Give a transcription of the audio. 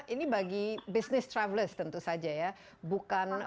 ini bagi business travelers tentu saja ya ya